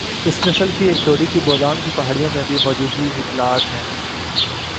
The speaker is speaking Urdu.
اس نسل کی ایک جوڑی کی بولان کے پہاڑیوں میں بھی موجودگی کی اطلاعات ہے